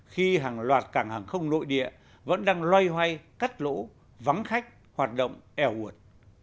khi hàng loạt cảng hàng không nội địa vẫn đang loay hoay cắt lỗ vắng khách hoạt động eo uột